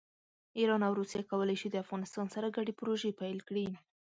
ایران او روسیه کولی شي د افغانستان سره ګډې پروژې پیل کړي.